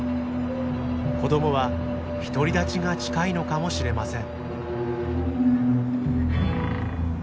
子どもは独り立ちが近いのかもしれません。